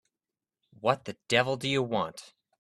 What the devil do you want?